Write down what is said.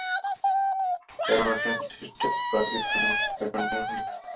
Pymatuning State Park is on Pymatuning Reservoir.